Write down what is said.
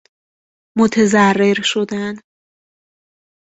متضرر شدن